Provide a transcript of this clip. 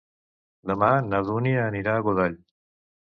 Demà na Dúnia anirà a Godall.